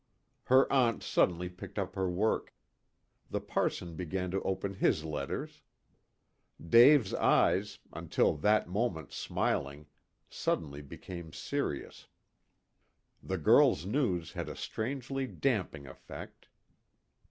Her aunt suddenly picked up her work. The parson began to open his letters. Dave's eyes, until that moment smiling, suddenly became serious. The girl's news had a strangely damping effect.